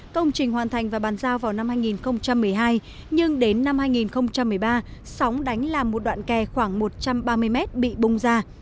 công trình hoàn thành và bàn giao vào năm hai nghìn một mươi hai nhưng đến năm hai nghìn một mươi ba sóng đánh làm một đoạn kè khoảng một trăm ba mươi mét bị bung ra